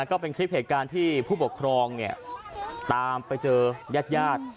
ก็เป็นคลิปเหตุการณ์ที่ผู้ปกครองเนี่ยตามไปเจอยาด